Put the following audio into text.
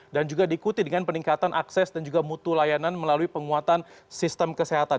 dan juga diikuti dengan peningkatan akses dan juga mutu layanan melalui penguatan sistem kesehatan